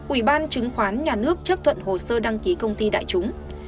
ủy ban chứng khoán nhà nước chấp thuận hồ sơ đăng ký công ty đại chúng